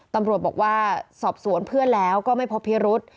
ตำรวจบอกว่าสอบสวนเพื่อนแล้วก็ไม่พบพิรุษ